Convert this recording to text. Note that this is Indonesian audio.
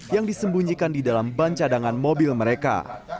yang disembunyikan di dalam ban cadangan mobil mereka